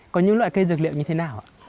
có những loại cây dược liệu như thế nào